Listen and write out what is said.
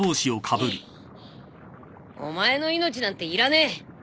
お前の命なんていらねえ。